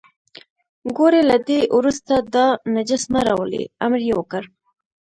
ګورئ له دې وروسته دا نجس مه راولئ، امر یې وکړ.